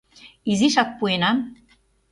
Изишак пуэнам...